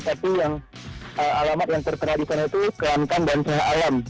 alamat yang terkena di sana itu kelantan dan seha alam